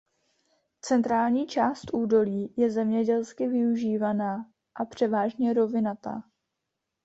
Centrální část údolí je zemědělsky využívaná a převážně rovinatá.